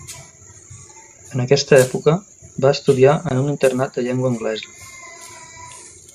En aquesta època, va estudiar en un internat de llengua anglesa.